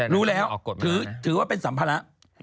รู้แล้วถือว่าเป็นสัมภาระ